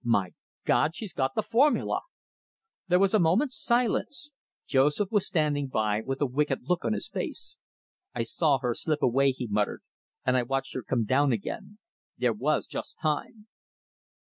My God, she's got the formula!" There was a moment's silence. Joseph was standing by with a wicked look on his face. "I saw her slip away," he muttered, "and I watched her come down again. There was just time."